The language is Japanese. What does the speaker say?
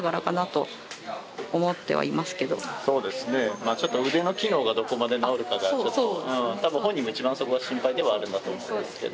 まあちょっと腕の機能がどこまで治るかがちょっと多分本人も一番そこが心配ではあるんだと思うんですけど。